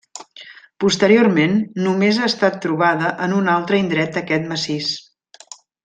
Posteriorment només ha estat trobada en un altre indret d'aquest massís.